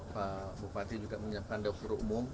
pak bupati juga menyiapkan dapur umum